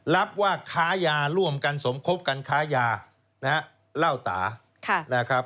รับว่าค้าย่าร่วมกันสมครบกันค้าย่าเล่าตา